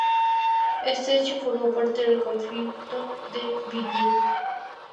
Este hecho formó parte del Conflicto del Beagle.